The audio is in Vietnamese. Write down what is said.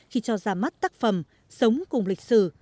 khi cho ra mắt tác phẩm sống cùng lịch sử